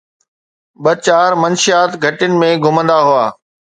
ٻه چار منشيات گهٽين ۾ گهمندا هئا